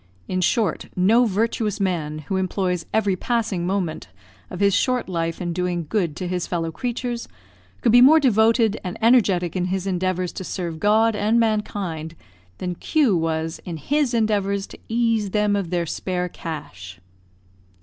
In short, no virtuous man, who employs every passing moment of his short life in doing good to his fellow creatures, could be more devoted and energetic in his endeavours to serve God and mankind, than Q was in his endeavours to ease them of their spare cash.